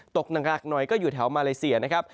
ตกหนักหน่อยก็อยู่แถวมาเลเซียนะครับ